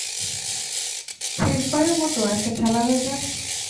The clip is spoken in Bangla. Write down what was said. শেষবারের মতো একটা খেলা হয়ে যাক।